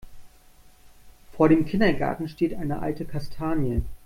Vor dem Kindergarten steht eine alte Kastanie.